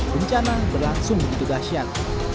bencana berlangsung di tugasian